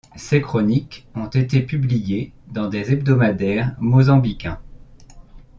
Ces chroniques ont été publiées dans des hebdomadaires mozambicains.